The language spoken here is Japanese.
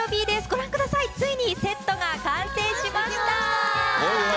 ご覧ください、ついにセットが完成しました。